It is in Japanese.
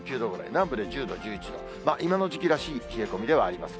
南部で１０度、１１度、今の時期らしい冷え込みではあります。